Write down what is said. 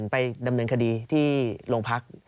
ไปดำเนินคดีที่โรงพัก